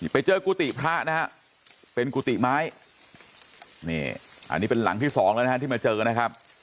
ไปเจอกุติพระนะครับเป็นกุติไม้อันนี้เป็นหลังที่๒ที่มาเจอนะครับ